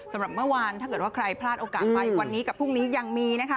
สำหรับเมื่อวานถ้าเกิดว่าใครพลาดโอกาสไปวันนี้กับพรุ่งนี้ยังมีนะคะ